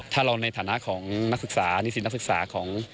ถ้าเราในฐานะของนักศึกษานิสิตนักศึกษาของ